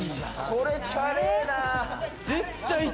これチャれぇな。